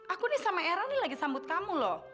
aku nih sama era ini lagi sambut kamu loh